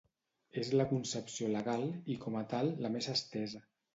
És la concepció legal i com a tal la més estesa.